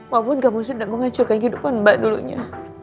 walaupun kamu sudah menghancurkan hidup mbak dulunya